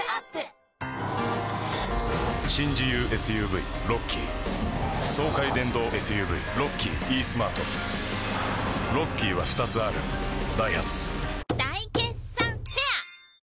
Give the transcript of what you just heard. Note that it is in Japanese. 新自由ＳＵＶロッキー爽快電動ＳＵＶロッキーイースマートロッキーは２つあるダイハツ大決算フェア